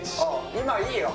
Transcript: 今いいよ。